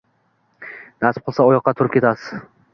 Nasib qilsa oyoqqa turib ketasiz